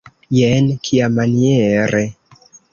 Jen kiamaniere!